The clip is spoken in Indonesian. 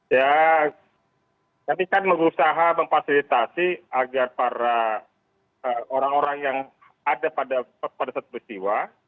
ya kami kan berusaha memfasilitasi agar para orang orang yang ada pada saat peristiwa